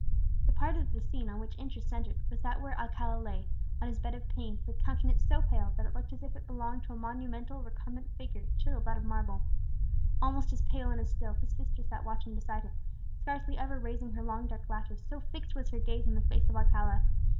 The part of the scene on which interest centred was that where Alcala lay, on his bed of pain, with countenance so pale that it looked as if it belonged to a monumental recumbent figure chiselled out of marble. Almost as pale and as still, his sister sat watching beside him, scarcely ever raising her long dark lashes, so fixed was her gaze on the face of Alcala.